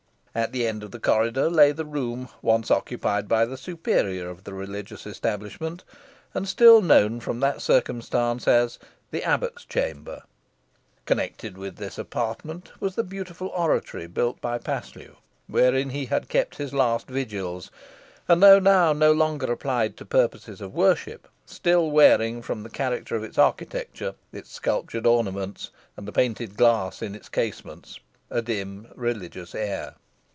At the end of the corridor lay the room once occupied by the superior of the religious establishment, and still known from that circumstance as the "Abbot's Chamber." Connected with this apartment was the beautiful oratory built by Paslew, wherein he had kept his last vigils; and though now no longer applied to purposes of worship, still wearing from the character of its architecture, its sculptured ornaments, and the painted glass in its casements, a dim religious air.